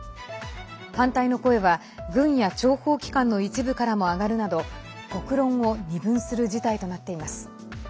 反対の声は軍や諜報機関の一部からも上がるなど国論を二分する事態となっています。